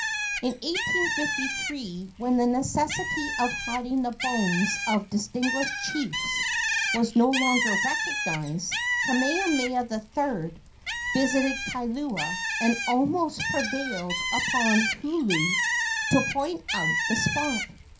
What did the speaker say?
In 1853, when the necessity of hiding the bones of distinguished chiefs was no longer recognized, Kamehameha III. visited Kailua and almost prevailed upon Hoolulu to point out the spot.